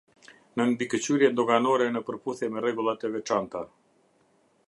Nën mbikëqyrjen doganore, në përputhje me rregullat e veçanta.